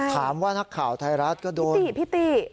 ถามว่านักข่าวไทยรัฐก็โดนพิติ